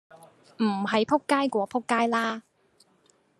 唔係仆街過仆街啦